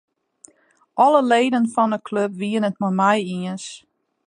Alle leden fan 'e klup wiene it mei my iens.